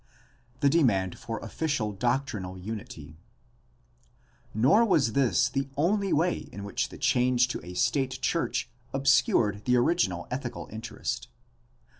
The demand for official doctrinal unity. — Nor was this the only way in which the change to a state church obscured the original ethical interest.